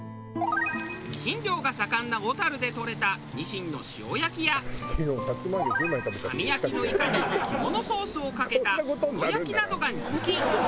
ニシン漁が盛んな小樽でとれたニシンの塩焼きや網焼きのイカに肝のソースをかけたゴロ焼きなどが人気。